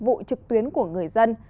vụ trực tuyến của người dân